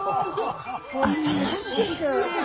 あさましい。